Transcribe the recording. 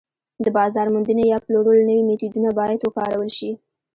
د بازار موندنې یا پلورلو نوي میتودونه باید وکارول شي